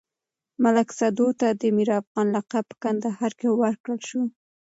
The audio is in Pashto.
ملک سدو ته د ميرافغانه لقب په کندهار کې ورکړل شو.